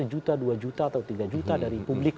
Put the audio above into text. lima juta dua juta atau tiga juta dari publik